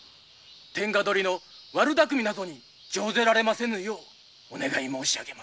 天下取りの悪だくみなどに乗ぜられぬようお願い致します。